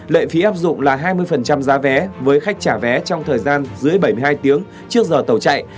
lệ phí áp dụng là hai mươi giá vé với khách trả vé trong thời gian dưới bảy mươi hai tiếng trước giờ tàu chạy